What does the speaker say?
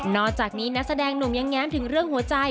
อกจากนี้นักแสดงหนุ่มยังแง้มถึงเรื่องหัวใจ